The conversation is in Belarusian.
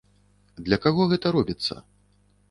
Для каго гэта робіцца?